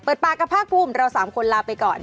เปิดปากกับภาครูมเราซามคนลาไปก่อน